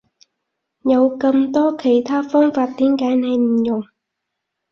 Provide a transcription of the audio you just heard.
有咁多其他方法點解你唔用？